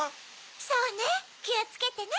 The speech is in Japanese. そうねきをつけてね。